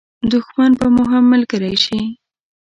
دښمن به مو هم ملګری شي.